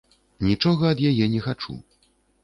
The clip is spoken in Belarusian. Нічога ад яе не хачу.